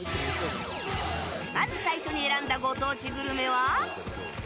まず最初に選んだご当地グルメは。